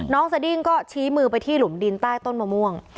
สดิ้งก็ชี้มือไปที่หลุมดินใต้ต้นมะม่วง